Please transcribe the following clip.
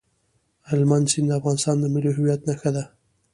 هلمند سیند د افغانستان د ملي هویت نښه ده.